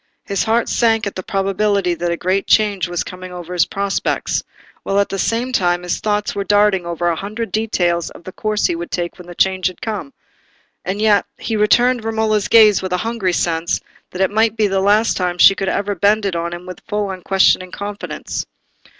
His heart sank at the probability that a great change was coming over his prospects, while at the same time his thoughts were darting over a hundred details of the course he would take when the change had come; and yet he returned Romola's gaze with a hungry sense that it might be the last time she would ever bend it on him with full unquestioning confidence.